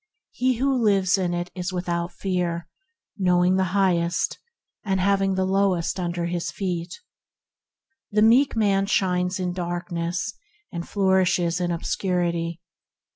He who lives in it is without fear, knowing the Highest and having the lowest under his feet. The meek man shines in darkness, and flourishes in obscurity.